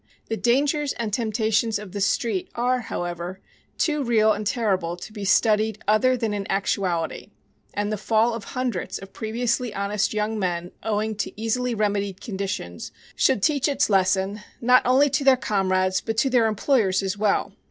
The dangers and temptations of the "Street" are, however, too real and terrible to be studied other than in actuality, and the fall of hundreds of previously honest young men owing to easily remedied conditions should teach its lesson, not only to their comrades, but to their employers as well.